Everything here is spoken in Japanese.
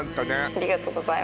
ありがとうございます。